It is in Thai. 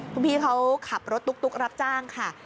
คุณพี่เขาขับรถตุ๊กรับจ้างค่ะ